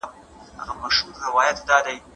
مرګ د روح د الوهمېشهو شېبه ده.